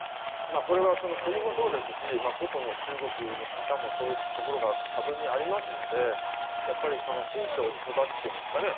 これは国もそうですし個々の中国の方もそういうところが多分にありますので信賞必罰というんですかね。